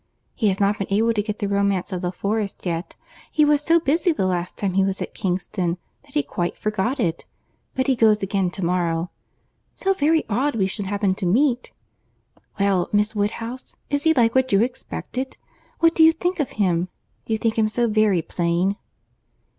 He has not been able to get the Romance of the Forest yet. He was so busy the last time he was at Kingston that he quite forgot it, but he goes again to morrow. So very odd we should happen to meet! Well, Miss Woodhouse, is he like what you expected? What do you think of him? Do you think him so very plain?"